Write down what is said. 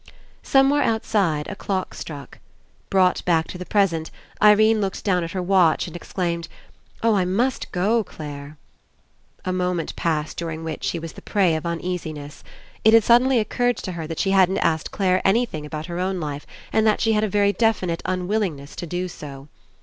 Somewhere outside, a clock struck. Brought back to the present, Irene looked down 31 PASSING at her watch and exclaimed: *'0h, I must go, Clare!" A moment passed during which she was the prey of uneasiness. It had suddenly occurred to her that she hadn't asked Clare anything about her own life and that she had a very definite unwillingness to do so.